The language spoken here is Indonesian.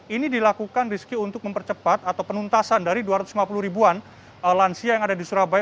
ini dilakukan rizky untuk mempercepat atau penuntasan dari dua ratus lima puluh ribuan lansia yang ada di surabaya